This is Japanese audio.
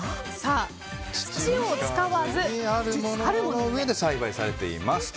土を使わず、あるものの上で栽培されていますと。